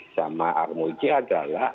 sama armoji adalah